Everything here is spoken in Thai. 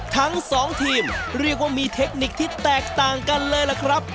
ทั้งสองทีมเรียกว่ามีเทคนิคที่แตกต่างกันเลยล่ะครับ